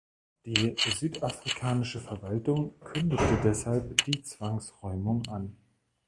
Die südafrikanische Verwaltung kündigte deshalb die Zwangsräumung an.